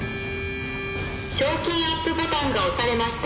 賞金アップボタンが押されました。